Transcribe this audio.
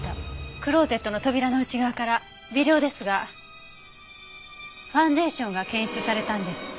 クローゼットの扉の内側から微量ですがファンデーションが検出されたんです。